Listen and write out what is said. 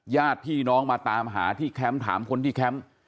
ญาติพี่น้องมาตามหาที่แคมป์ถามคนที่แคมป์